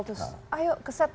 terus ayo ke set